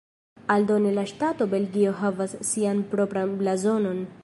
Aldone la ŝtato Belgio havas sian propran blazonon.